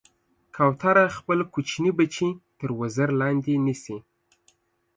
کوتره خپل کوچني بچي تر وزر لاندې نیسي.